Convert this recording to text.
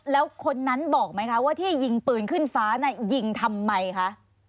แล้วคนนั้นบอกไหมคะว่าที่ยิงปืนขึ้นฟ้าน่ะยิงทำไมคะ